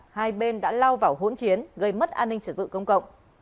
hai bên đã lao vào hỗn chiến gây mất an ninh trở tự công cộng